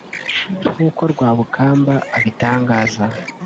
nk’uko Rwabukamba abitangaza